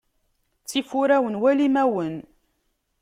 Ttif urawen wala imawen.